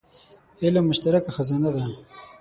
علم مشترکه خزانه ده.